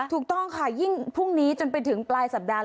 ถูกต้องค่ะยิ่งพรุ่งนี้จนไปถึงปลายสัปดาห์